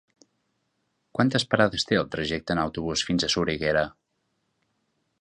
Quantes parades té el trajecte en autobús fins a Soriguera?